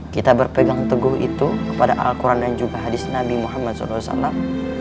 kita berpegang teguh itu kepada al quran dan juga hadis nabi muhammad saw